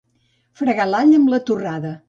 Fregar l'all amb la torrada.